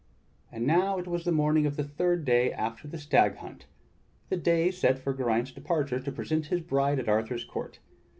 And now it was the morning of the third day after the stag hunt — the day set for Geraint's departure to present his bride at Arthur's court.